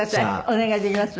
お願いできます？